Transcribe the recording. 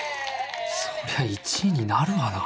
そりゃ１位になるわな